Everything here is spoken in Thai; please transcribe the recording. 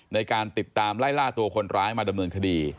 ในการติดตามไล่ล่าตัวคนร้ายมาดำเนินคดี